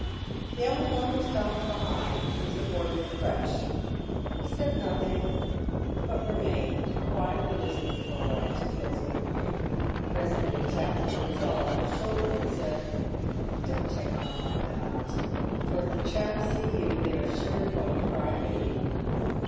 The only one who stopped behind was the boy with the crutch. He said nothing, but remained quietly listening for a while to Phil's whimpering. Presently he tapped the little fellow on the shoulder, and said, " Don't take on like that, for if the chaps see you they are sure to call you ' cry baby.'